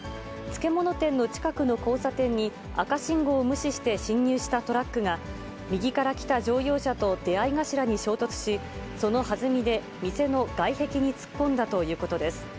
漬物店の近くの交差点に、赤信号を無視して進入したトラックが、右から来た乗用車と出会い頭に衝突し、そのはずみで店の外壁に突っ込んだということです。